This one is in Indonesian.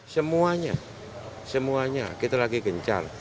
semuanya semuanya kita lagi gencar